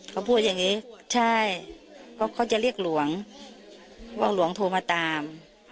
เขาพูดอย่างนี้ใช่เพราะเขาจะเรียกหลวงว่าหลวงโทรมาตาม